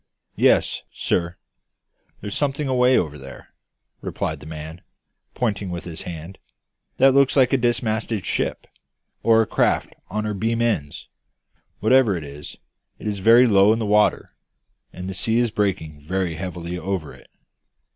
"Yes, sir. There's something away over there," replied the man, pointing with his hand, "that looks like a dismasted ship, or a craft on her beam ends. Whatever it is, it is very low in the water; and the sea is breaking very heavily over it."